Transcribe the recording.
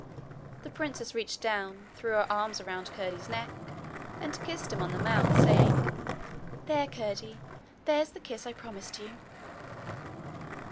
The princess reached down, threw her arms round Curdie's neck, and kissed him on the mouth, saying: 'There, Curdie! There's the kiss I promised you!'